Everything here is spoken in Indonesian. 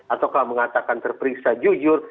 atau mengatakan terperiksa jujur